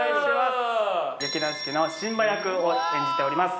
劇団四季のシンバ役を演じております